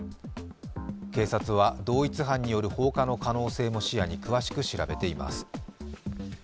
警察は同一犯による放火の可能性も視野に詳しく調べています。